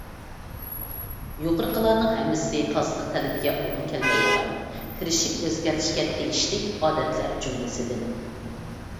يۇقىرىقىلارنىڭ ھەممىسى تازىلىق تەلىپىگە ئۇيغۇن كەلمەيدىغان، تىرىشىپ ئۆزگەرتىشكە تېگىشلىك ئادەتلەر جۈملىسىدىن.